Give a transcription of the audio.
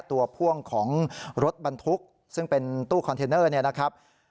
ตัวพ่วงของรถบรรทุกซึ่งเป็นตู้คอนเทนเนอร์เนี่ยนะครับ